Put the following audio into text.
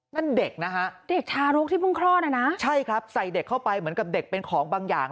นั่นเด็กนะฮะใช่ครับใส่เด็กเข้าไปเหมือนกับเด็กเป็นของบางอย่าง